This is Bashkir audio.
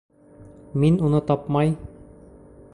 Мин уны тапмай...